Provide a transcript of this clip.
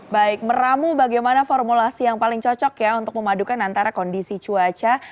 baik meramu bagaimana formulasi yang paling cocok ya untuk memadukan antara kondisi cuaca